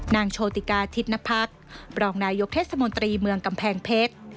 โชติกาทิศนภักษ์รองนายกเทศมนตรีเมืองกำแพงเพชร